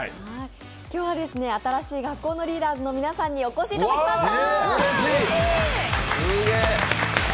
今日は新しい学校のリーダーズの皆さんにお越しいただきました。